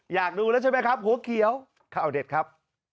อยากดูแล้วใช่ไหมครับหัวเขียวข้าวเด็ดครับ